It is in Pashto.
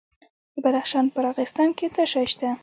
د بدخشان په راغستان کې څه شی شته؟